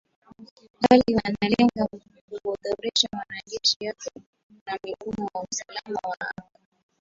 bali yanalenga kudhoofisha majeshi yake na mfumo wa usalama wa anga